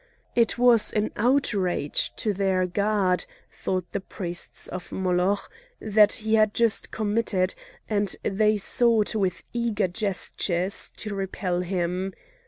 It was an outrage to their god, thought the priests of Moloch, that he had just committed, and they sought with eager gestures to repel him.